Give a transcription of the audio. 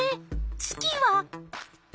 月は？